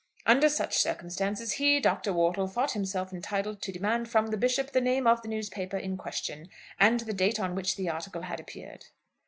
Under such circumstances he, Dr. Wortle, thought himself entitled to demand from the Bishop the name of the newspaper in question, and the date on which the article had appeared."